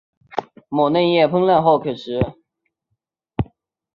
其嫩叶烹饪后可食。